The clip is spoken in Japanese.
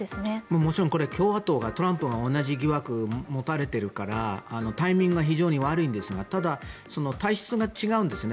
もちろん共和党がトランプが同じ疑惑を持たれているからタイミングが非常に悪いんですがただ、体質が違うんですね。